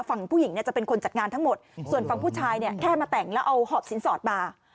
ฝั่งผู้หญิงเนี่ยจะเป็นคนจัดงานทั้งหมดส่วนฝั่งผู้ชายเนี่ยแค่มาแต่งแล้วเอาหอบสินสอดมา